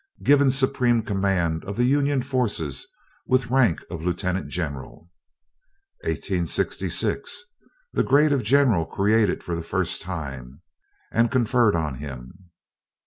Given supreme command of the Union forces, with rank of lieutenant general. 1866. The grade of general created for first time, and conferred on him.